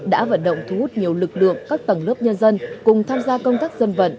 đã vận động thu hút nhiều lực lượng các tầng lớp nhân dân cùng tham gia công tác dân vận